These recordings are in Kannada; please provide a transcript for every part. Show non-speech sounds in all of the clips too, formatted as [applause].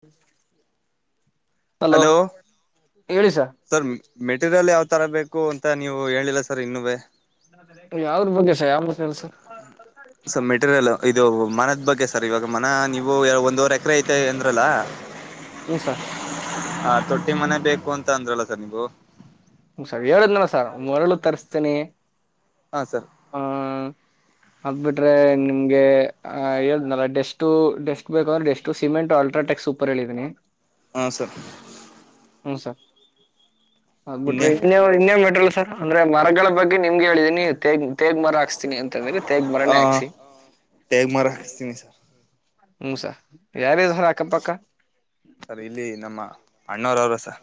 ಹಸ್ [inaudible] ಹಲೋ ಸರ್ ಮೆಟರಿಯಲ್ ಯಾವ ತರಬೇಕು ಅಂತ ನೀವು ಹೇಳಿಲ್ಲ ಸರ್ ಇನ್ನುವೆ ಯಾವ್ರ ಬಗ್ಗೆ ಸರ್ ಯಾವ ಮಾತನಾಡಿ ಸರ್ ಮೆಟೀರಿಯಲ್ ಇದು ಮನದ ಬಗ್ಗೆ ಸರ್ ಇವಾಗ ಮನ ನೀವು ಒಂದುವರೆ ಚ್ರ ಐತೆ ಅಂದ್ರಲ್ಲ ಹ್ಮ ಸರ್ ಹ ತೊಟ್ಟಿ ಮನೆ ಬೇಕು ಅಂತ ಅಂದ್ರಲ್ಲ ಸರ್ ನೀವು ಹ್ಮ ಸರ್ ಹೇಳಿದ್ನಲ್ಲ ಸರ್ ಮರಳು ತರಿಸ್ತೇನಿ ಹಾ ಸರ್ ಅದಬಿಟ್ರೆ ನಿಮ್ಗೆ ಅ ಹೇಳ್ದ್ನಲ್ಲ ಡೆಸ್ಟು ಡೆಸ್ಟು ಬೇಕಂದ್ರೆ ಡೆಸ್ಟು ಸಿಮೆಂಟ್ ಅಲ್ಟ್ರಾಟೆಕ್ ಸೂಪರ್ ಹೇಳಿದೀನಿ ಹಾ ಸರ್ ಹ್ಮ ಸರ್ ಇನ್ನೆ ಆಗ್ಬಿಟ್ರಿ ಇನ್ನೇವ ಇನ್ನವ ಮಟ್ರಲ್ಲ ಸರ್ ಅಂದ್ರೆ ಮರಗಳ ಬಗ್ಗೆ ನಿಮ್ಗೆ ಹೇಳಿದೀನಿ ತೇಗ್ ತೇಗ್ ಮರ ಹಾಕಸತ್ತಿನಿ ಹ ತೇಗ ಮಾರ್ ಹಾಕಿಸ್ತೀನಿ ಸರ್ ಹ್ಮ ಸರ್ ಯಾರಿದಾರೆ ಅಕ್ಕಪಕ್ಕ ಸರ್ ಇಲ್ಲಿ ನಮ್ಮ ಅಣ್ಣವರ ಅವ್ರೆ ಸರ್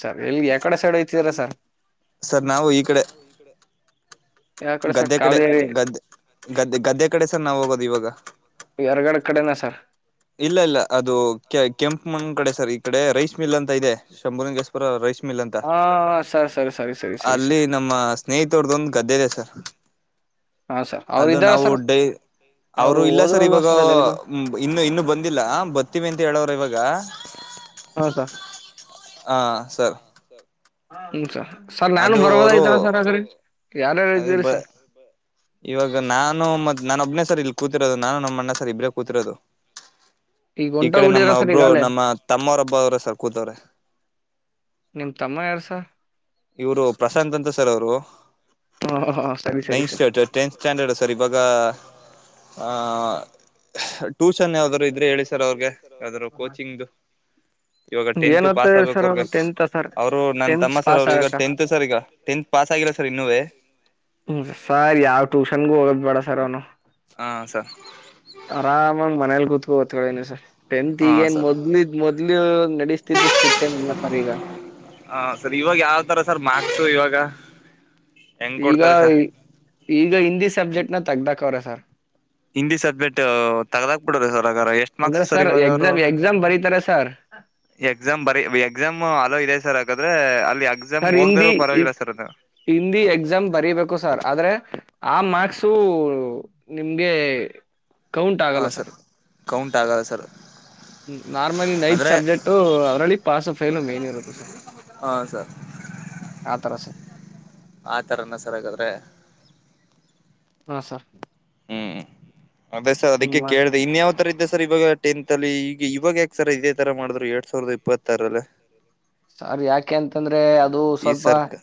ಸರಿ ಇಲ್ಲಿ ಯಕಡೆ ಸೈಡ್ ಐತ ಸೇರಸ ಸರ್ ನಾವು ಈ ಕಡೆ ಯಾವ ಸೈಡ್ ಗದ್ದೆ ಕಡೆ ಕಾವಲಿ ಗದ್ದ ಗದ್ದ ಗದ್ದ ಕಡೆ ನಾ ಹೋಗೋದು ಇವಾಗ. ಎರಗಡೆ ಕಡೆನ ಸರ್. ಇಲ್ಲ ಇಲ್ಲ ಅದು ಕೆ ಕೆಂ ನಮನ್ನ ಕಡೆ ಸರ್ ಈ ಕಡೆ ರೈಸ್ ಮಿಲ್ ಅಂತ ಇದೆ. ಶಂಭೂರಿಂಗಸ್ಪರ ರೈಸ್ ಮಿಲ್. ಮಿಲ ಅಂತಾ ಹಾ ಸರ್ ಸರಿ ಸರಿ ಸರಿ ಸರಿ ಸರ್ ಅಲ್ಲಿ ನಮ್ಮ ಸ್ನೇಹಿತರ್ದೊಂದು ಗದ್ದೆ ಗಸ. ಹಾ ಸರ್ ಅವ್ರ ಅದು ಇದ್ದಾರ ಸರ್ ನಾವುಡೈ ಅವರು ಇಲ್ಲ ಹೋದ್ರು ಸರ್ ಅಲ್ವಾ ಇವಾಗ ಅದೆಲ್ಗ ಇನ್ನು ಇನ್ನು ಬಂದಿಲ್ಲ ಬರ್ತೀವಿ ಅಂತೆ ಕೇಳೋರು ಇವಾಗ. ಹಾಸ. ಹಾ ಸರ್. ಹಂಸ. ಸರ್ ನಾನು ಅದು ಅವರು ಬರ್ಬೋದಾಗಿತ್ತಲ್ಲ ಸರ್ ಆಕಡೆ. ಯಾರಾರ ಇದ್ದೀರಿ ಬ ಸರ್. ಇವಾಗ ನಾನು ಮತ್ತು ನಾನ ಒಬ್ನನೆ ಸರ್ ಇಲ್ಲಿ ಕೂತಿರೋದು ನಾನು ನಮ್ಮ ಅಣ್ಣ ಸರ್ ಇಬ್ಬರೇ ಕೂತಿರೋದು. ಈಗ ಈ ಹೊಂಟೋಗ್ ಕಡೆ ಬಿಡಿರ ನಮ್ಮ ಸರ್ ಒಬ್ರು ಈಗಾಲೇ ನಮ್ಮ ತಮ್ಮವರೊಬ್ಬ ಅವ್ರ ಸರ್ ಕೂತವ್ರೆ. ನಿಮ್ ತಮ್ಮ ಯಾರು ಸರ್. ಇವರು ಪ್ರಶಾಂತ್ ಅಂತ ಸರ್ ಅವರು. ಹ ಹ ಸರಿ ಸರಿ ನೈನ್ತ್ ಸ್ಟ್ಯಾಡ್ ಸರ್ ಟೆಂತ್ ಸ್ಟ್ಯಾಂಡರ್ಡ್ ಸರ್ ಇವಾಗ ಆ [unintelligible] ಅ ಟ್ಯೂಷನ್ ಯಾವ್ದ್ರು ಇದ್ರೆ ಹೇಳಿ ಸರ್ ಅವ್ರಗೆ ಯಾವ್ದರು ಕೋಚಿಂಗ ಇವಾಗ ಏನ್ ಟೆಂತ್ ಪಾಸ್ ಓದ್ತಾರ ಆಗ್ಬೇಕು ಸರ್ ಅವ್ರಗ ಅವರು ಟೆಂತ್ ಸರ್ ಅವರು ನನ್ ಟೆಂತ್ ತಮ್ಮ. ಸರ್ ಪಾಸ್ ಅವರು ಆಗ ಈಗ ಟೆಂತ್ ಸರ್ ಈಗ ಟೆಂತ್ ಪಾಸ್ ಆಗಿಲ್ಲ ಸರ್ ಇನ್ನುವೆ. ಹ್ಮ ಸರ್ ಯಾವ ಟ್ಯೂಷನ್ಗು ಹೋಗದ ಬೇಡ. ಸರೂನು. ಹಾ ಸರ್ ಆರಾಮಾಗಿ ಮನೇೆಯಲ್ಲಿ ಗೂತ್. [unintelligible] ಹವತ್ತು ಕಳನು ಸರ್... ಟೆಂತ ಹಾ ಈಗೇನ ಸರ್ ಮೊದ್ಲಿದ ಮೊದ್ಲು ನಡಸ್ತಿದ್ದ ಸ್ಟ್ರಿಕ್ಟ್ಏನಿಲ್ಲ ಸರ್ ಈಗ. ಕಾ. ಈಗ ಈಗ ಹಿಂದಿ ಸಬ್ಜೆಕ್ಟ್. ನ ತಗದಾಕವ್ರೆ ಸರ್. ಹಿಂದಿ್ ಸಬ್ಜೆಕ್ಟ್ ತೆಗದಾಕ್ ಬಿಡೊದ ಸರ್ ಹಾಗಾದ್ರೆ ಎಷ್ಟ್ ಮಾರ್ಕ್ಸ್ ಅಂದ್ರೆ ಸರ್ ಇವಾಗ ಅವರು ಎಕ್ಸಾಮ್ ಎಕ್ಸಾಮ್ ಬರೀತಾರೆ ಸರ್ ಎಕ್ಸಾಮ್ ಬರಿ ಎಕ್ಸಾಮ್ ಅಲ್ಲೋ ಇದೆ ಸರ್. ಹಾಗಾದ್ರೆ ಅಲ್ಲಿ ಎಕ್ಸಾಮ್ ಸರ್ ಹೋಗ್ದರು ಹಿಂದಿ ಪರವಾಗಿಲ್ಲ ಸರ್ ಅದು ಹಿಂದಿ ಎಕ್ಸಾಮ್ ಬರೀಬೇಕು ಸರ್ ಆದ್ರೆ ಆ ಮಾರ್ಕ್ಸ್ ನಿಮ್ಗೆ ಕೌಂಟ್ ಆಗಲ್ಲ ಸರ್ ಕೌಂಟ್ ಆಗಲ್ಲ ಸರ್ ನಾರ್ಮಲಿ ನೈತ್ ಅಂದರೆ ಸಬ್ಜೆಕ್ಟ್ ಅದ್ರಲ್ಲಿ ಪಾಸ್ ಫೈಲು ಮನ್ ಇರುತ್ತೆ ಸ ಹಾಂ ಸರ್ ಆತರ ಸರ್ ಆ ಥರನ ಸರ್ ಹಾಗಾದರೆ ಹಾ ಸರ್ ಹ್ಮ್ ಅದೇ ಸರ್ ಅದಕ್ಕೆ ಕೇಳಿದೆ ಇನ್ ಯಾವ್ ತರ ಇದ್ದ ಸರ್ ಇವಾಗ ಟೆಂತ್ ಅಲ್ಲಿ ಇವಾಗ ಯಕ್ಸರ ಇದೆ ತರ ಮಾಡಿದ್ ಎಡ್ ಸಾವಿರದ ಇಪ್ಪತ್ತು ತರಲ್ಲ ಸರ್ ಯಾಕೆ ಅಂತಂದ್ರೆ ಅದು ಈ ಸ್ವಲ್ಪ ಸರ್ಕ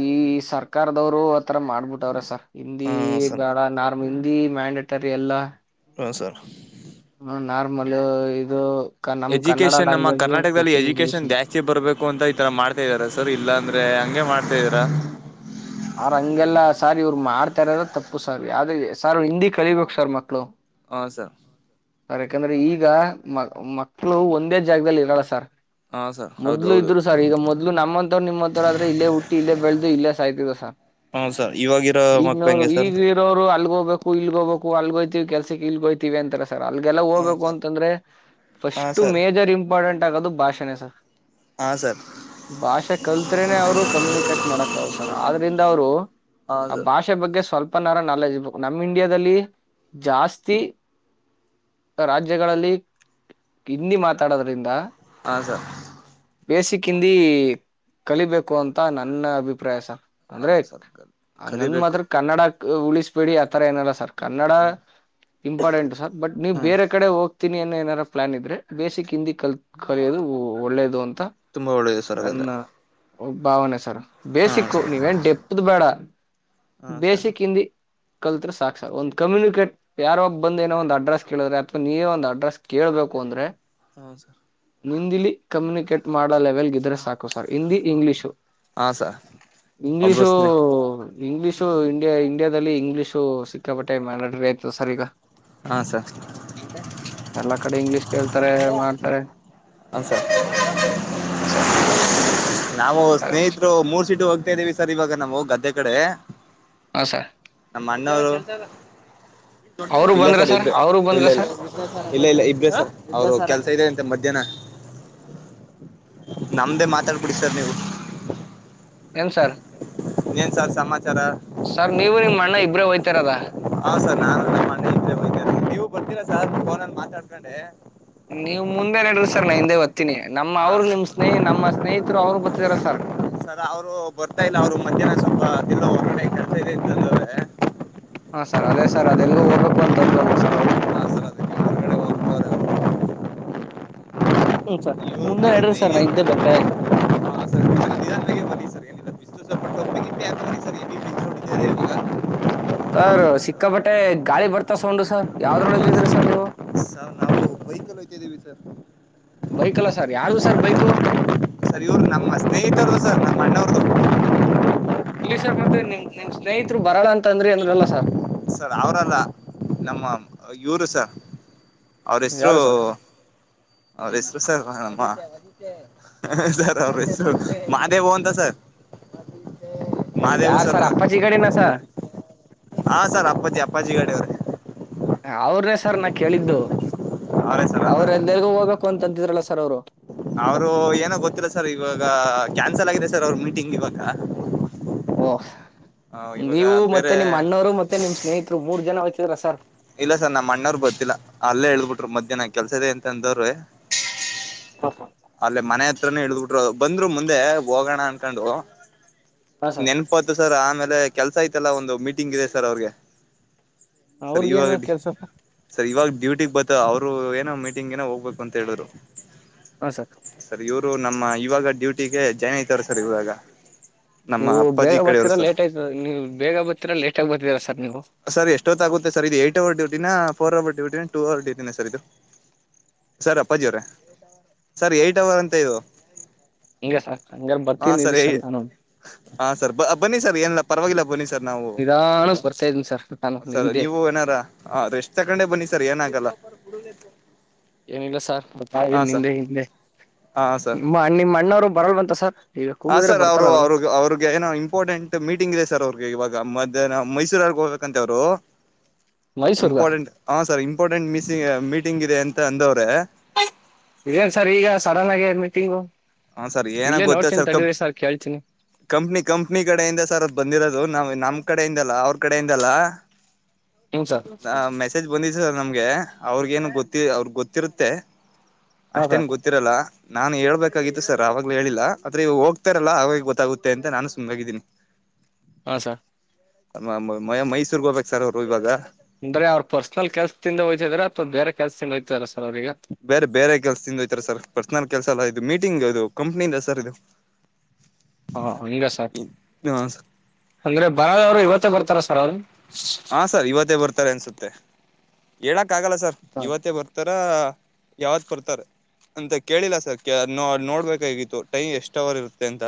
ಈ ಸರ್ಕಾರದವ್ರು ಆ ರ ಮಾಡ್ಬಿಟ್ಟವ್ರೆ ಸರ್ ಹಿಂದಿ ಹಾ ಸರ್ ಬಾಳ ನಾರ್ಮಲ್ ಮ್ಯಾಂಡಟರಿ ಎಲ್ಲಾ ಹಾಂ ಸರ್ ಹ್ಮ ನಾರ್ಮಲ್ ಇದು ಕ ನಮ್ ಕನ್ನಡ ಎಜುಕೇಶನ್ ನಮ್ಮ ಲ್ಯಾಂಗ್ವೇಜು ಕರ್ನಾಟಕದಲ್ಲಿ ಜೊತೆಗೆ ಇಂಗ್ಲಿಷ್ ಎಜುಕೇಶನ್ ಅಂತ ಜಾಸ್ತಿ ಬರ್ಬೇಕು ಅಂತ ಈ ತರ ಮಾಡ್ತಾ ಇದಾರೆ ಸರ್ ಇಲ್ಲಾಂದ್ರೆ ಹಂಗೆ ಮಾಡ್ತಾದ್ದೀರಾ ಆ್ರ ಹಂಗೆಲ್ಲ ಸಾರ್ ಇವ್ರು ಮಾಡ್ತಾರಾರ ತಪ್ಪು ಸರ್ ಯಾವ್ದ ಸಾರ್ ಹಿಂದಿ ಕಲಿಬೇಕು ಸರ್ ಮಕ್ಳು ಹ ಸರ್ ಸರ್ ಯಾಕಂದ್ರೆ ಈಗ ಮ ಮಕ್ಕಳು ಒಂದೇ ಜಾಗದಲ್ಲಿ ಇರಲ್ಲ ಸರ್ ಹಾ ಸರ್ ಹೌದು ಮೊದ್ಲು ಹೌದು ಇದ್ರು ಸರ್ ಈಗ ಮೊದ್ಲು ನಮ್ಮಂತರು ನಿಮ್ಮಂತರ ಆದ್ರೆ ಇಲ್ಲೇ ಹುಟ್ಟಿ ಇಲ್ಲೇ ಬೆಳೆದು ಇಲ್ಲೇ ಸಾಯ್ತದ ಸರ್ ಹಾ ಸರ್ ಇವಾಗಿರೋ ಈಗ ಮಕ್ಳ ನೋರು ಹಂಗೆ ಸರ್ ಈಗ ಇರೋರು ಅಲ್ಗೋಗ್ಬೇಕು ಇಲ್ಗಬೇಕು ಅಲ್ಗೋ ಕೆಲ್ಸಕ್ಕೆ ಇಲ್ಗೋತವಿ ಅಂತ ರ್ ಅಲ್ಲಿಗೆಲ್ಲ ಹಾ ಹೋಗ್ಬೇಕು ಸರ್ ಅಂತಂದ್ರೆ ಹಾ ಫಸ್ಟ್ ಸರ್ ಮೇಜರ್ ಇಂಪಾರ್ಟೆಂಟ್ ಆಗೋದು ಭಾಷೆಣೆ ಸರ್ ಹಾ ಸರ್ ಭಾಷೆ ಕಲ್ತತ್ರನೆ ಅವರು ಕಮ್ಯುನಿಕೇಟ್ ಮಾಡಕ್ ಆಗೋದು ಸರ್ ಆದ್ರಿಂದ ಅವರು ಹಾ ಆ ಸರ್ ಭಾಷೆ ಬಗ್ಗೆ ಸ್ವಲ್ಪ ಅಪ್ಪನಾರ ನಲ್ ಇರರ್ಬೇಕು ನಮ್ ಇಂಡಿಯಾದಲ್ಲಿ ಜಾಸ್ತಿ ರಾಜ್ಯಗಳಲ್ಲಿ ಹಿಂದಿ ಮಾತಾಡೋದ್ರಿಂದ ಹಾ ಸರ್ ಬೇಸಿಕ್ ಹಿಂದಿ ಕಲಿಬೇಕು ಅಂತ ನನ್ನ ಅಭಿಪ್ರಾಯ ಸರ್ ಹಾ ಅಂದ್ರೆ ಸರ್ ಹಂಗಂದ ಕಲಿಬೇಕು ಮಾತ್ರ ಕನ್ನಡ ಉಳಿಸಬೇಡಿ ಆ ಥರ ಏನಲ್ಲ ಸರ್ ಕನ್ನಡ ಹ್ಮ್ ಇಂಪಾರ್ಟೆಂಟ್ ಸರ್ ಬಟ್ ನೀವ್ ಹ್ಮ್ ಬೇರೆ ಕಡೆ ಹೋಗ್ ಇನಿನ್ನು ನಾರ ಪ್ಲಾನ್ ಇದ್ರೆ ಬೇಸಿಕ್ ಹಿಂದಿ ಕಲ್ ಕಲಿಯೋದು ಒಳ್ಳೇದು ಅಂತ ತುಂಬಾ ಒಳ್ಳೆಯದು ಸರಗಾದ್ರೆ ಬಾವುನ್ ಸರ್ ಬೇಸಿಕ್ ನೀವೇನ್ ಡೆಪ್ದ ಬೇಡ ಹಾ ಸರ್ ಬೇಸಿಕ್ ಹಿಂದಿ ಕಲ್ತ್ ಸಾಕ್ ಸಾ ಒಂದ್ ಕಮ್ಯುನಿಕೇಟ್ ಯಾರೋಬ್ಬ ಬಂದ ಏನೋ ಒಂದು ಅಡ್ ಅಡ್ರೆಸ್ ಕೇಳಿದ್ರೆ ಅಥವಾ ನೀವೇ ಒಂದು ಅಡ್ರೆಸ್ ಕೇಳ್ಬೇಕು ಅಂದ್ರೆ ಹೌ ಸರ್ ನಿಂದಿಲಿ ಕಮ್ಯುನಿಕೇಟ್ ಮಾಡೋ ಲೆವೆಲ್ ಇದ್ರೆ ಸಾಕು ಸರ್ ಹಿಂದಿ ಇಂಗ್ಲಿಷು ಹಾ ಸರ್ ಒಬ್ರು ಇಂಗ್ಲಿಷು ಸ್ನೇ ಇಂಗ್ಲೀಷು ಇಂಡಿಯಾ ಇಂಡಿಯಾದಲ್ಲಿ ಇಂಗ್ಲೀಷು ಸಿಕ್ಕಾಪಟ್ಟೆ ಮಾಟ ಆಯ್ತು ಸರ್ ಈಗ ಹ ಸರ್ ಎಲ್ಲಾ ಕಡೆ ಇಂಗ್ಲಿಷ್ ಕೇಳ್ತಾರೆ ಮಾಡ್ತಾರೆ ಹ ಸ ಸರ್ ನಾವು ಸ್ನೇಹಿತರು ಮೂರ್ ಸೀಟು ಹೋಗ್ತಾ ಇದ್ದೀವಿ ಸರ್ ಇವಾಗ ನಾವು ಗದ್ದೆ ಈ ಕಡೆ ಹ ಸ ಮಣ್ಣೂರು ಅವರು ಇಲ್ಲ ಬಂದ್ರ ಸರ್ ಇಬ್್ರೆ ಅವರು ಬಂದ್ರ ಇಲ್ಲ ಇಲ್ಲ ಸರ್ ಇಲ್ಲ ಇಲ್ಲ ಇಬ್ರೇ ಸರ್ ಅವ್ರು ಕೆಲ್ಸ ಇದೆ ಮ ಮಧ್ಯಾಹ್ನ ನಮ್ದೇ ಮಾತಾಡ್ಬಿಡಿ ಸರ್ ನೀವು ಏನ್ ಸರ್ ಇನ್ನೇನ್ ಸರ್ ಸಮಾಚಾರ ಸರ್ ನೀವು ನಿಮ್ಮ್ ಅಣ್ಣ ಇಬ್ರೇ ಹೋಯ್ತರದ ಹ ಸರ್ ನಾನು ನಮ್ಮನ ನೀವು ಬರ್ತಿರ ಸರ್ನ ಮಾತಾಡ್ಕೊಂಡೆ ನೀವ್ ಮುಂದೆ ನಡ್ರಿ ಸರ್ ನಾ ಹಿಂದೆ ರ್ತೀನಿ ನಮ್ಮ ಹಾ ಅವ್ರಗ್ ಸರ್ ನಿಮ್ ಸ್ನೇಹಿ ನಮ್ಮ ಸ್ನೇಹಿತರು ಅವ್ರ ಬತ್ತತರ ಸರ್ ಸರ್ ಎಲ್ಲ ಹೊರನೆ ಕತೆ ಇದೆಂತಂದ್ರೆ ಹಾ ಸರ್ ಅದೇ ಸರ್ ಅದೆಲ್ಗೂ ಹೋಗ್ಬೇಕು ಅಂತಂದ್ರು ಅಲ್ವಾ ಸರ್ ಅವರು ಹಾ ಸರ್ ಅದಕ್ಕೆ ಹೊರಗಡೆ ಹೋಗ್ತವ್ರೆ ಅವರು ಹ್ಮ ನೀವು ನಮ್ ಸ್ನೇಹಿತ ಸಾಕಿ ಮುಂದೆ ಎಡ್ರ ಸರ್ ನಾ ಹಿಂದೆ ಬರ್ತ ಇ ನಿಧಾನವಾಗಿ ಬನ್ನಿ ಸರ್ ಏನಿಲ್ಲ ಬಿಸಿಲು ಸ್ವಲ್ಪ ಮಿಂಟೆ ಹಾಕೊಂಡಿ ಸರ್ ಎಲ್ಲಿ ಬಿಸಿಲು ಹೊಡಿತಿದೆ ಇವಾಗ ಸರ್ ಸಿಕ್ಕಾ ಬಟ್ಟೆ ಗಾಳಿ ಬರ್ತಾಸ್ೊಂಡು ಸರ್ ಯಾವ್ದ್ರೊಳ ಇದ್ದಿದ್ರರಿ ಸರ್ ನೀವು ಕ ವಿ ಸರ್ ಬೈಕ್ ಅಲ್ಲ ಸರ್ ಯಾರು ಸರ್ ಬೈೇಕು ಸರ್ ಇವ್ರು ನಮ್ಮ ಸ್ನೇಹಿತರು ಸರ್ ನಮ್ಮ ಅಣ್ಣವರು. ಇಲ್ಲಿ ಸರ್ ಮತ್ತೆ ನಿಮ್ ನಿಮ್ ಸ್ನೇಹಿತರು ಬರಳ ಅಂತ ಅಂದ್ರಿ ಅಂದ್ರಲ್ಲ ಸಾರ್ ಸರ್ ಅವರಲ್ಲ ನಮ್ಮ ಇವರು ಸರ್ ಅವ್ರ ಹೆಸರು ಯಾರು ಸರ್ ಅವ್ರ ಹೆಸರು ಸರ್ ನಮ್ಮ ಸರ್ ಅವ್ರ ಮಾದೇವ ಅಂತ ಸರ್ ಹೋಗಿ ಯಾರ ಸರ್ ಅಪ್ಪಚ ಕಡೆಿನ ಸರ್ ಹಾ ಸರ್ ಅಪ್ಪಾಜಿ ಅಪ್ಪಾಜಿ ಗಡವ್ರೆ ಅವ್ರನೇ ಸರ್ ನಾ ಕೇಳಿದ್ದು ಅವರೇ ಸರ್ ಅವ್ರ ಎಂದೆರಿಗೂ ಹೋಗ ಕ ಅಂತಂದಿದ್ರಲ್ಲ ಸರ್ ಅವರು ಅವರು ಏನೋ ಗೊತ್ತಿಲ್ಲ ಸರ್ ಇವಾಗ ಕ್ಯಾನ್ಸಲ್ ಆಗಿದೆ ಸರ್ ಅವ್ರ ಮೀಟಿಂಗ್ ಇವ ವಓಹ ನೀವು ಬೇರೆ ಮತ್ತೆ ನಿಮ್ಮ್ ಅಣ್ಣವರು ಮತ್ತೆ ನಿಮ್ಮ್ ಸ್ನೇಹಿತರು ಮೂರ್ ಜನ ಸಲ್ಲ ಸರ್. ಇಲ್ಲ ಸರ್ ಇದ ನ ಕೆಲ್ಸದೇ ಎಂತ ಅಂದವ್ರೆ. ಹಾ ಅಲ್ಲೇ ಮನೆ. ತ್ರ ಇಳ್ದ್ಬಿಟ್ರು ಬಂದ್ರು ಮುಂದೆ ಹೋಗೋಣ ಅನ್ಕೊಂಡು. ಸರ್ ನೆನ್ಪತ್ತು ಸರ್ ಆಮ. ಆಮೇಲೆ ಕೆಲ್ಸ ಐತಲ್ಲ ಒಂದು ಮೀಟಿಂಗ್ ಇದೆ ಸರ್ ಅವ್ರಿಗೆ. ಸರಿ ಇವಾಗ ಅವ್ರಗೇನು ಕೆಲ್ಸ ಸರಿ ಇವಾಗ ಡ್ಯೂಟಿ. ಿಗೆ ಬತ ಅವರು ಏನೋ ಮೀಟಿಂಗ್ ಏೋ ಹೋಗ್ಬೇಕು ಅಂತ ಹೇಳಿದ್ರು. ಹಾ ಸಾಕ. ಸರ್ ಇವ್ರು ನಮ್ಮ ಇವಾಗ ಡ್ಯೂಟಿಗೆ ಜಾಯ್ನ್ ಐತಾರ ಸರ್ ಇವಾಗ. ನಮ್ಮ ನೀವು ಬೇಗ ಅಪ್ಪಾಜಿ ಕಡೆಯವರು ಬರ್ತೀರಾ ಸರ್ ಲೇಟ್ ಆಯ್ತ ನೀವು ಬೇಗ ಬರ್ತೀರಾ ಲೇಟ್ ಆಗ ಬರ್ತೀರಾ ಸರ್ ನೀವು. ಸರ್ ಎಷ್ಟೊತ್ತ ಆಾಗುತ್ತೆ ಸರ್ ಇದು ಏಟ್ ಅವರ್ ಡೂಟಿನ. ಫೋರ್ ಅವವರ್ ಡಿಟೀನಿ ಟೂ ಅವರ್ ಡಿಟೀನಿ ಸರ್ ಇದು ಸರ್ ಅಪ್ಪಾಜಿಯವರೇ ಸರ್ ಏ್ಟಟ್ ಅವರ್ ಅಂತ ಇದು. ಹಿಂಗ ಸಾತ ಹಂಗ ಬರ್ತೀಿ ಹಾ ನೀ ಸರ್ ನಾನು. ಹಾ ಸರ್ ಬನ್ನಿ ಸರ್. ಏನ ಪರವಾಗಿಲ್ಲ ಬನ್ನಿ ಸರ್ ನಾವು. ನಿಧಾನಕ್ ಬರ್ತಾ ಇದೀನಿ ಸರ್ ನಾನು ಸರ ಹಿಂದೆ ನೀವು ಏನಾರ ಎಷ್ಟ್ ತಗೊಂಡೆ ಬನ್ನಿ. ಸರಿ ಏನಾಗಲ್ಲ. ಏನಿಲ್ಲ ಸಾರ್ ಗತ್ತ ಹಾ ಸರ್ ನಿಿಂದೆ ಹಿಂದೆ ಹಾ ಸರ್ ನಿಮ್ಮ ನಿಮ್ಮ ಅಣ್ಣವರು ಬರಲ್ ಬಂತ ಸರ್ ಈಗ ಹಾ ಕೂಗಿದ್ರೆ ಸರ್ ಬರ್ತಾರ ಅವರು. ಅವ್ರಿಗೆ ಇವ ಮಧ್ಯಾಹ್ನ ಮೈಸೂರಲ್ಲಿ. ಕಕಂತವರು. ಮೈಸೂರ್ಗ ಇಂಪಾರ್ಟೆಂಟ್ ಹಾ ಸರ್ ಇಂಪಾರರ್್ಟೆಂಟ್ ಮೀ. ಮೀಟಿಂಗ್ ಇದೆ ಅಂತ ಅಂದವ್ರೆ. ಇದೇನ್ ಸರ್ ಈಗ ಸಡನ್ ಆಗಿ ಮೀಟಿಂಗು. ಹ ಸರ್ ಏನಾಗ ಇಲ್ಲೇ ಗೊತ್ತ ನೋಡ್ತೀನಿ ಸರ್ ಕಂ ತಡೀರಿ ಕೇಳ್ತೀನಿ ಕಂಪ್ನಿ ಕಂಪ್ನಿ ಕಡೆಯಿಂದ ಸರ್ ಅ ಬಂದಿರೋದು ನಾವ್ ನಮ. ಕಡೆಯಿಂದಲ್ಲ ಅವ್ರ ಕಡೆಯಿಂದಲ್ಲ. ಹ್ಞೂ ಸರ್ ನ ಮೆಸೇಜ್ ಬಂದಿದ್ದ ಸರ್ ನಮ್ಗೆ ಅವ್ರಗ ಏನು. ಗೊತ್ತಿ ಅವ್ರ ಗೊತ್ತಿರುತ್ತೆ. ಹಾಂ ಅಷ್ಟೇನ್ ಸರ್ ಗೊತ್ತಿರಲ್ಲ. ನಾನ್ ಹೇಳ್ಬೇಕು. ಬಾಗಿತ್ತು ಸರ್ ಆವಾಗಲ ಹೇಳಿಲ್ಲಾ ಆದ್ರೆ ಇ ಹೋಗ್ತಾರಲ್ಲ ಆಾಗ ಗೊತ್ತಾಗುತ್ತೆ ಅಂತ ನಾನು ಸಮ್ಾಗಿದ್ದೀನಿ. ಹಾ ಸರ್. ಅ ಮ ಮೈಸೂರ್ಗ ಹೋಗಬೇಕಕ್ ಸರ್ ಅವರು ಇವಾಗ. ಅಂದ್ರೆ ಅವ್ರ ಪರ್ಸನಲ್ ಕೆಲ್ಸದಿಂದ ಹೋ್ತಿದಾರೆ ಅಥವಾ ಬೇರೆ ಕೆಲಸದಿಂದ ಹೋ್ತಾರ. ಬೇರೆ ಬೇರೆ ಕೆಲ್ಸದಿಂದಯ್ತರ ಸರ್ ಪರ್ಸನಲ್ ಕೆಲ್ಸ ಎಲ್ಲ. ಇದು ಮೀಟಿಂಗ್ ಅದು ಕಂಪ್ನಿಯಿಂದ ಸರ್ ಇದು. ಹಾ ಹಂಗ ಸರ್ ಅಂದ್ರೆ ಬರದವರು ಇವತ್ತೇ ಬರ್ತಾರ. ಪರವದು. ಹಾ ಸರ್ ಇವತ್ತೇ ಬರ್ತಾರೆ ಅನ್ಸುತ್ತೆ. ಎಲಾಕ್. ಆಗಲ್ಲ ಸರ್ ಇವತ್ತೇ ಬರ್ತಾರ. ಯಾವತ್ ಬರ್ತಾರೆ ಅಂತ ಕೇಳಿಲ್ಲ ಸರ್ ನೋಡ್ಬೇಕಾಗಿತ್ತು ಟೈಮ್ ಎಷ್ಟವರ್ ಇರುತ್ತೆ ಅಂತ.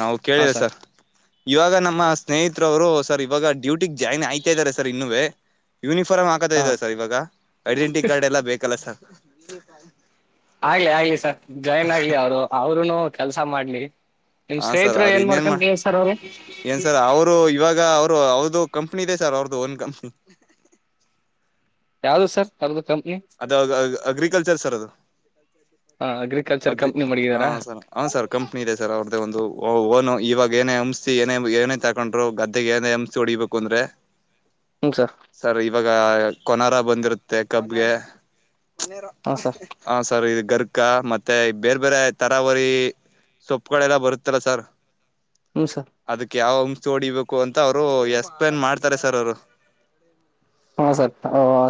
ನಾವು ಕೇಳಿದ ಸರ್. ಇವಾಗ ನಮ್ಮ ಸ್ನೇಹಿತರವರು ಸರ್ ಇವಾಗ. ಡ್ಯೂಟಿ ಜಾಯ್ನ್ ಆಯ್ತಾ ಇದ್ದಾರೆ ಸರ್ ಇನ್ನುವೆ. ಯೂನಿಫಾರ್ಮ್ ಹಾಕತಾ ಹಾ ಇದೆಯದೆ ಸರ್ ಇವಾಗ ಐಡೆಂಟಿ ಕಾರ್ಡ್ ಎಲ್ಲ ಬೇಕಲ್ಲ ಸರ್. [inaudible] ಆಗ್ಲಿ ಆಗ್ಲಿ ಸರ್ ಜಾಯಿನ್ ಆಗ್ಲಿ ಅವ್ರು ಅವರುೂನು. ಕೆಲ್ಸ ಮಾಡ್ಲಿ. ನಿಮ್ ಹಾ ಸರ್ ಸ್ನೇಹಿತರು ಅವ್ರ ಏನ್ ಇನ್ನೇನ್ ಮಾಡ ಮಾಡ್ಕೊಂತ ಸರ್ ಅವರು ಏನ್ ಸರ್ ಅವರು ಇವಾಗ ಅವರು ಅವದು. ಕಂಪನಿ ಇದೆ ಸರ್ ಅವರ್ದು ಒನಕಂಪನ. ಯಾವ್ದು ಸರ್ ಅದು. ಅದಾಗ ಅಗ್ರಿ. ಕಲ್ಚರ್ ಸರ್ ಅದು. ಹಾ ಅಗ್ರಿಕಲ್ಚರ್ ಕಂಪ್ನಿ ಮಡಗಿದಾರಾ ಹ್ಮ್ ಸರ್ ಹ ಸರ್ ಕಂಪನಿದೆ ಸರ್ ಅವ್ರ್ದ ಒಂದು ಓನು ಇವಾಗ ಏನೇ ಅಂಸ್ತಿ ಏನ ಏನೇ ತಕೊಂಡ್ರು ಗದ್ದೆಗೆ ಏನೇ ಹಂಸ್ತಿ ಹೊಡಿಬೇಕು ಅಂದ್ರೆ. ಹ್ಮ್ಮ್ ಸಾ. ಈಗ ಕೊನಾರ ಬಂದಿರುತ್ತೆ ಕಬ್ಗೆ. ಹ. ಹಾಂ ಸರ್ ಹ ಸರ್ ಇದು ಗರ್. ಅಕ್ಕ ಮತ್ತೆ ಬೇರೆ ಬೇರೆ ತರಾವರಿ ಸೊಪ್ಪುಗಳೆಲ್ಲ ಬರುತ್ತಲ್ಲ ಸರ್. ಹ್ಞೂ ಸರ್ ಅದಕ್ಕೆ ಯಾವ್ ಅಮ್ಸ್. ತೋಡಿಬೇಕು ಅಂತ ಅವರು ಎಕ್ಸ್ಪ್ಲೇನ್ ಮಾಡ್ತಾರೆ ಸರ್ ಅವ್ರು. ಹಾ ಸರ್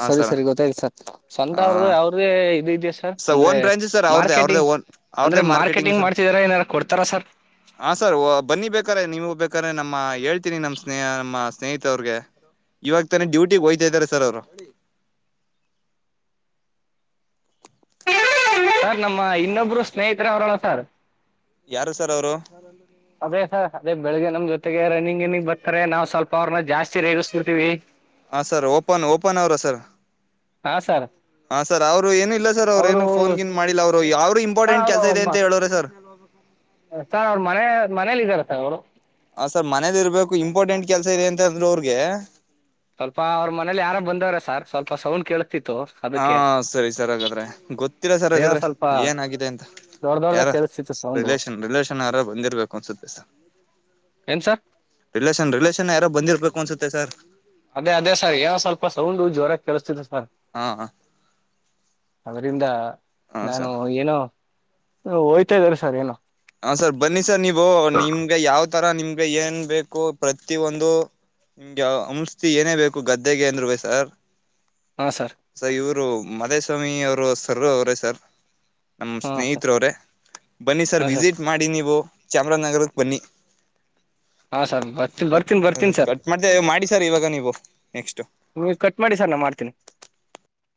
ಸರಿ ಸರಿ ಗೊತ್ತಾಯ್ತಿ ಸರ್. ಸ್ವಂತ ಹ ಅವ್ರ್ದ ಅವ್ರದ. [unintelligible] ಸರ್ ಒನ್ ಬ್ರಾಂಚ್ ಸರ್ ಅವ್ರ ಅವ್ರ್ದೆ ಅಂದ್ರೆ ಅವ್ರದೇ ಮಾರ್ಕೆಟಿಂಗ್ ಹಾ ಸರ್ ಮಾಡ್ತಿದಾರ ಏನಾರ ಕೊಡ್ತಾರ ಸರ್ ಹಾ ಸರ್ ಬನ್ನಿ ಬೇಕಾರೆ ನೀವು ಯಾಕೆ ನಮ್ಮ ಹೇಳ್ತೀನಿ ನಮ್ಮ್ ಸ್ನೇಹ ನಮ್ಮ ಸ್ನೇಹಿತ ಅವ್ರಗೆ ಇವಾಗ ತಾನೆ ಡ್ಯೂಟಿ ಹೋಗ್ತಾ ಇದಾರೆ ಸರ್ ಅವರು. ಸರ್ ನಮ್ಮ ಇನ್ನೊಬ್ರು ಸ್ನೇಹಿತರೆ ಅವ್ರಲ್ಲ ಸರ್. ಯಾರು ಸರ್ ಅವರು. ಅದೇ ಸರ್ ಅದೇ ಬೆಳಗ್ಗೆ ನಮ್ ಜೊತೆಗೆ ರನ್ನಿಂಗ್ ಗಿನ್ನಿಂಗ್ ಬರ್ತಾರೆ ನಾವ್. ಸ್ವಲ್ಪ ಅವ್ರನ್ನ ಜಾಸ್ತಿ ರೇಗಿಸ್ಬಿಡ್ತೀವಿ ಹ ಸರ್ ಓಪನ್ ಓಪನ್ ಅವರ ಸರ್. ಹಾ ಸರ್. ಹಾ ಸರ್ ಅವ್ರು ಏನು ಇಲ್ಲ ಸರ್ ಅವ್ರ ಅವರು ಏನು ಫೋನ್ಗಿನ್ ಮಾಡಿಲ್ಲ ಅವ್ರು ಇಂಪಾರ್ಟೆಂಟ್ ಕೆಲಸ ಇದೆ ಅವರು ಅಂತ ಹೇಳೋರ ಸರ್. ಸರ್ ಅವ್ರ ಮನೆ. ಮನೇಲಿ ಇದಾರ ಸರ್ ಅವು. ಹಾ ಸರ್ ಮನೆಲ್ಲಿ ಇರ್ಬೇಕು ಇಂಪಾರ್ಟೆಂಟ್ ಕೆಲಸ ಇದೆ ಅಂತ ಅಂದ್ರು ಅವ್ರಿಗೆ. ಸ್ವಲ್ಪ ಅವ್ರ ಮನೇಲಿ ಯಾರ ಬಂದವ್ರ ಸರ್ ಸ್ವಲ್ಪ ಸೌಂಡ್ ಕೇಳ. ಹಾ ಸರಿ ಸರ್ ಹಾಗಾದ್ರೆ ಗೊತ್ತಿಲ್ಲ ಸರ್ ಅದೇನೋ ಹಾಗಾದ್ರೆ ಸ್ವಲ್ಪ ಏನಾಗಿದೆ ಅಂತ ದೊಡ್ಡ ದೊಡ್ಡದಾಗ ಯಾರ ಕೇಳಿಸ್ತಿತ್ತು ಸೌಂಡು ರಿಲೇಷನ್ ರಿಲೇಷನ್ ಯಾರ ಬಂದಿರ್ಬೇಕು ಅನ್ಸುತ್ತೆ ಸರ್ ಏನ್ ಸರ್ ರಿಲೇಷನ್ ರಿಲೇಷನ್ ಯಾರೋ ಬಂದಿರ್ಬೇಕು. ಕೂ ಅನ್ಸುತ್ತೆ ಸರ್. ಅದೇ ಅದೇ ಸರ್ ಏನೋ ಸ್ವಲ್ಪ ಸೌಂಡ್ ಜೋರ ಕೇಳಿಸ್ತಿತ್ತು ಹಾ [inaudible] ಅದರಿಂದ ಹಾ ನಾನು ಸರ್ ಏನೋ. ಹೋಯ್ತಾ ಇದ್ದೀರಾ ಸರ್ ಏನೋ. ಹಾ ರ್ ಬನ್ನಿ ಸರ್ ನೀವು ನಿಮ್ಗ ಯಾವ. ಆ ತರ ನಿಮ್ಗೆ ಏನ್ ಬೇಕು ಪ್ರತಿ ಒಂದು ನಿಮ್ಗೆ ಔಷಧಿ ಏನೇ ಬೇಕು ಗದ್ದೆಗೆ ಅಂದ್ರು ಸರ್. ಹಾ ಸರ್ ಸೊ ಇವರು ಮದೇಶ್ವ. ಸ್ವಾಮಿ ಸರ್ ಅವ್ರೆ ಸರ್ ನಮ ಹಾ ಸರ್ ಸ್ನೇಹಿತರ ಅವ್ರೆ ಬನ್ನಿ ಸರ್. ವಿಸಿಟ್ ಮಾಡಿ ನೀವು. ಚಾಮರಾಜನಗರಕ್ಕೆ ಬನ್ನಿ. ಹಾ ಸರ್ ಬರ್ತಿ ಬರ್ತನಿ ಬರ್ತೀನಿ ಸರ್ ಕಟ್ ಮಾಡ್ತೇ ಮಾಡಿ ಸರ್ ಇವಾಗ ನೀವು ನೆಕ್ಸ್ಟ್ ನೀವು ಕಟ್ ಮಾಡಿ ಸರ್ ನಾ ಮಾಡ್ತೀನಿ.